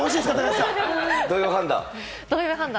金曜判断？